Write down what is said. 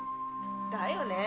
だよねぇ！